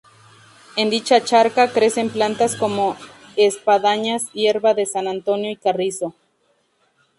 En dicha charca crecen plantas como espadañas, hierba de San Antonio y carrizo.